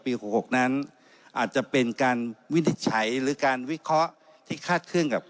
๖๖นั้นอาจจะเป็นการวินิจฉัยหรือการวิเคราะห์ที่คาดเคลื่อนกับ